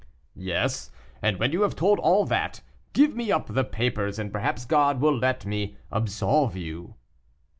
"Yes; and when you have told all that, give me up the papers, and perhaps God will let me absolve you."